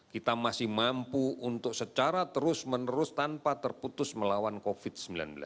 kita masih mampu untuk secara terus menerus tanpa terputus melawan covid sembilan belas